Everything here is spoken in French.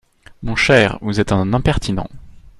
Mon cher, vous êtes un impertinent !